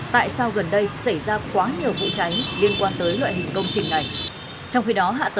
tại sao gần đây xảy ra quá nhiều vụ cháy liên quan tới loại hình công trình này